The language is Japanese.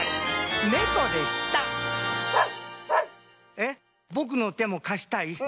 えっぼくのてもかしたい？